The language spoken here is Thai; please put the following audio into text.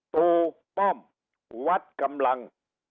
ตูป้อมวัดกำลัง